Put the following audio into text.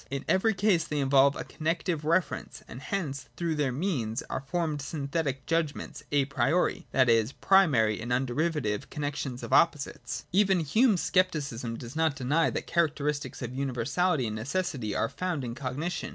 In every case they involve a connective reference, and hence through their means are formed synthetic judg ments a priori, that is, primary and underivative con nexions of opposites. Even Hume's scepticism does not deny that the characteristics of universality and necessity are found in cognition.